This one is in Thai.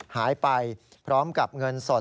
หายไปพร้อมกับเงินสด